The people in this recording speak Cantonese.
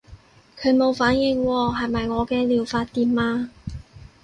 佢冇反應喎，係咪我嘅療法掂啊？